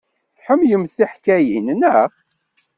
Tḥemmlemt tiḥkayin, naɣ?